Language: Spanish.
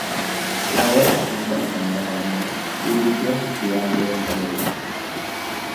Trabó relación con la familia Wagner y dirigió en el Festival de Bayreuth.